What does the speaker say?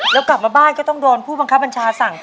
แล้วกลับมาบ้านก็ต้องโดนผู้บังคับบัญชาสั่ง